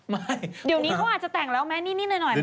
ไม่เดี๋ยวนี้เขาอาจจะแต่งแล้วไหมนิดหน่อยไหม